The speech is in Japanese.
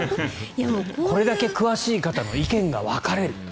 これだけ詳しい方の意見が分かれる。